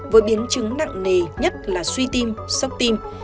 với biến chứng nặng nề nhất là suy tim sốc tim